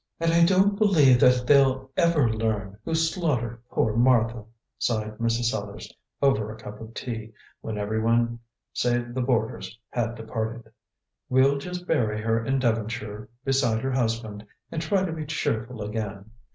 "And I don't believe that they'll ever learn who slaughtered poor Martha," sighed Mrs. Sellars, over a cup of tea, when everyone save the boarders had departed. "We'll just bury her in Devonshire beside her husband, and try to be cheerful again.